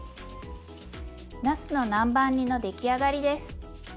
なすの南蛮煮の出来上がりです。